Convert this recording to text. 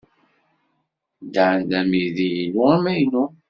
Dan d amidi-inu amaynu.